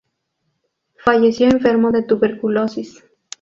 Falleció enfermo de tuberculosis.